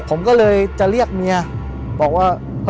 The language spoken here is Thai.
ผมก็เลยจะเรียกเมียบอกว่า